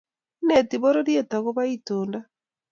ineti bororiet akobo itondo